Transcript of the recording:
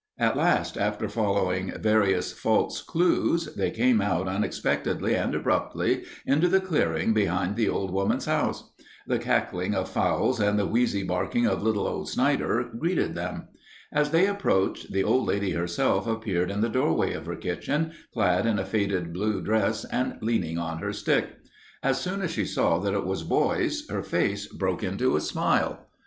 At last, after following various false clues, they came out unexpectedly and abruptly into the clearing behind the old woman's house. The cackling of fowls and the wheezy barking of little old Snider greeted them. As they approached, the old lady herself appeared in the doorway of her kitchen, clad in a faded blue dress and leaning on her stick. As soon as she saw that it was boys her face broke into a smile.